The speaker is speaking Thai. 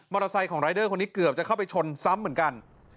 ไซค์ของรายเดอร์คนนี้เกือบจะเข้าไปชนซ้ำเหมือนกัน